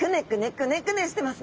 クネクネしてます！